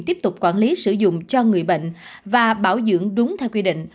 tiếp tục quản lý sử dụng cho người bệnh và bảo dưỡng đúng theo quy định